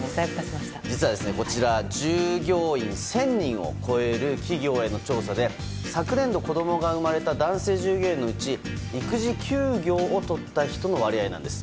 実はこちら従業員１０００人を超える企業への調査で昨年度、子供が生まれた男性従業員のうち育児休業をとった人の割合なんです。